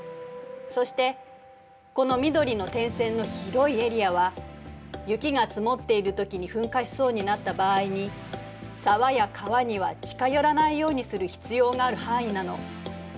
そしてこの緑の点線の広いエリアは雪が積もっているときに噴火しそうになった場合に沢や川には近寄らないようにする必要がある範囲なの。